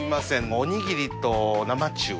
おにぎりと生中を。